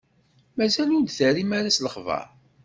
Mazal ur d-terrim ara s lexbaṛ?